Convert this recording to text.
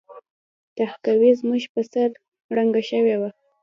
تهکوي زموږ په سر ړنګه شوې وه